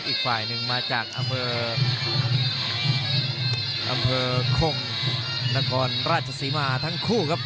อีกฝ่ายนึงมาจากอำเภออำเภอโคงจนรัศสีมาทั้งคู่ครับ